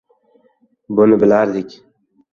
Buni bilardik.